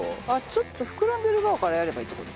ちょっと膨らんでる側からやればいいって事か。